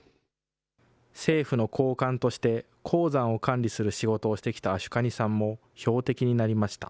政府の高官として鉱山を管理する仕事をしてきたアシュカニさんも、標的になりました。